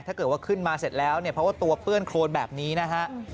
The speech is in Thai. ถ้าเกิดว่าขึ้นมาเสร็จแล้วเนี่ยเพราะว่าตัวเปื้อนโครนแบบนี้นะฮะ